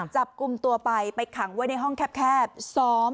จับกลุ่มตัวไปไปขังไว้ในห้องแคบ